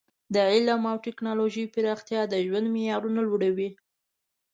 د علم او ټکنالوژۍ پراختیا د ژوند معیارونه لوړوي.